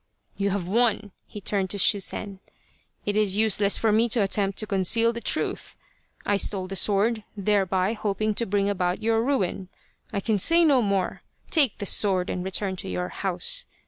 " You have won !" He turned to Shusen. " It is useless for me to attempt to conceal the truth. I stole the sword, thereby hoping to bring about your ruin. I can say no more. Take the sword and return to your house.